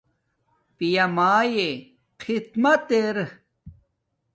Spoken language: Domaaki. پیا مایے خدمت ارا